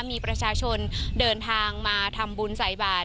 มีประชาชนเดินทางมาทำบุญใส่บาท